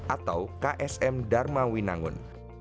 atau ksm dharma winangun